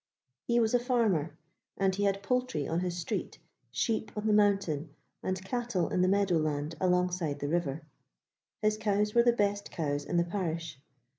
He was a farmer, and he had poultry on his street, sheep on the mountain, and cattle in the meadow land alongside the river. His cows were the best cows in the parish.